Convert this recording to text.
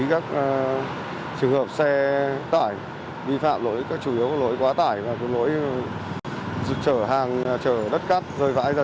các trường hợp xe tải vi phạm lỗi các chủ yếu của lỗi quá tải và cũng lỗi trở hàng trở đất cắt rơi vãi ra